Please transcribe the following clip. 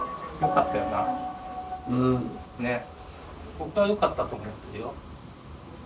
僕はよかったと思ってるよ。